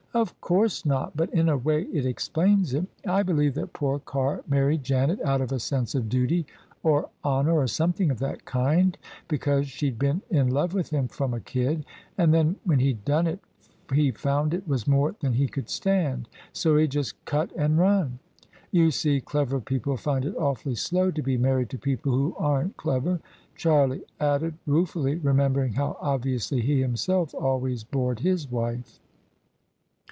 " Of course not: but in a way it explains it I believe that poor Carr married Janet out of a sense of duty or honour, or something of that kind, because she'd been in love with him from a kid : and then when he'd done it he found it was more than he could stand : so he just cut and run. You see, clever people find it awfully slow to be married to people who aren't clever," Charlie added, rue fully, remembering how obviously he himself always bored his wife.